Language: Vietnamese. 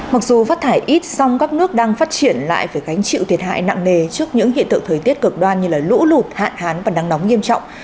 mặc dù phát thải ít song các nước đang phát triển lại phải gánh chịu thiệt hại nặng nề trước những hiện tượng thời tiết cực đoan như lũ lụt hạn hán và nắng nóng nghiêm trọng